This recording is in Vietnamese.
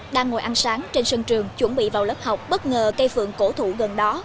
đang ngồi ăn sáng trên sân trường chuẩn bị vào lớp học bất ngờ cây phượng cổ thụ gần đó